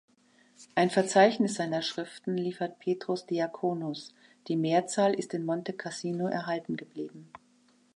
Ein Verzeichnis seiner Schriften liefert Petrus Diaconus, die Mehrzahl ist in Montecassino erhalten geblieben.